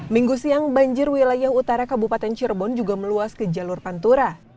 minggu siang banjir wilayah utara kabupaten cirebon juga meluas ke jalur pantura